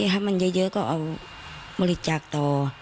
ถ้ามันเยอะก็เอาบริจาคต่อ